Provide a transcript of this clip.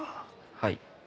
はい。